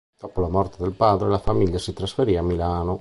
Dopo la morte del padre la famiglia si trasferì a Milano.